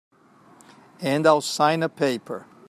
And I'll sign a paper.